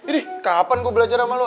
ini kapan gue belajar sama lo